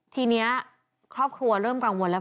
ทีนี้ครอบครัวเริ่มกังวลแล้ว